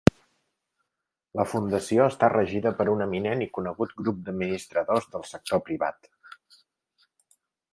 La Fundació està regida per un eminent i conegut grup d'administradors del sector privat.